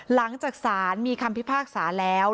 หลังจากสารมีคำพิพากษาแล้ว